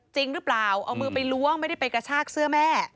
จริงหรือเปล่าเอามือไปล้วงไม่ได้ไปกระชากเสื้อแม่